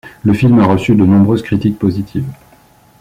Le film a reçu de nombreuses critiques positives.